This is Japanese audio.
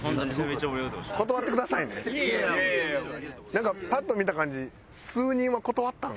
なんかパッと見た感じ数人は断ったん？